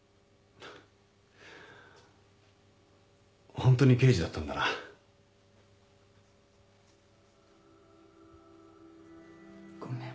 ホントに刑事だったんだな。ごめん。